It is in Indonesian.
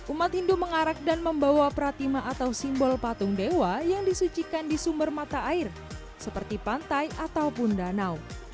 umat hindu mengarak dan membawa pratima atau simbol patung dewa yang disucikan di sumber mata air seperti pantai ataupun danau